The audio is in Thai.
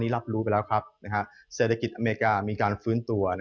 รับรู้ไปแล้วครับเศรษฐกิจอเมริกามีการฟื้นตัว